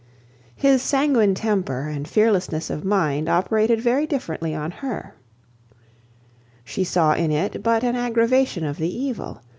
His sanguine temper, and fearlessness of mind, operated very differently on her. She saw in it but an aggravation of the evil.